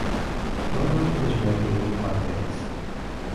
Runoff is regulated by lakes.